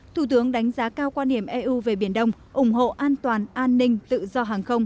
thủ tướng đánh giá cao quan hiểm eu về biển đông ủng hộ an toàn an ninh tự do hàng không